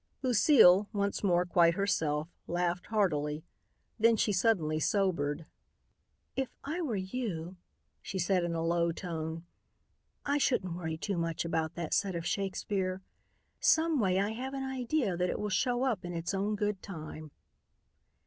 Lucile, once more quite herself, laughed heartily. Then she suddenly sobered. "If I were you," she said in a low tone, "I shouldn't worry too much about that set of Shakespeare. Someway I have an idea that it will show up in its own good time."